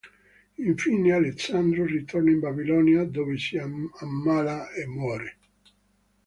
Infine Alessandro ritorna in Babilonia, dove si ammala e muore.